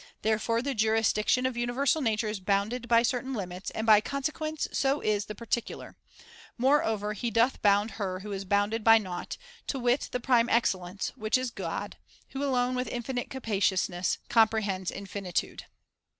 Therefore the jurisdiction of universal nature is bounded by certain limits, and by consequence so is the [30^ particular. Moreover, he doth bound her who is bounded by nought, to wit the prime excellence, which is God, who alone with infinite capaciousness com prehends infinitude.